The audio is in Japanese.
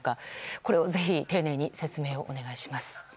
これをぜひ丁寧に説明をお願いします。